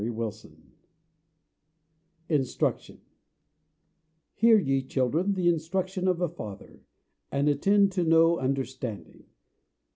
Tennyson INSTRUCTION Hear, ye children, the instruction of a father, and attend to know understanding.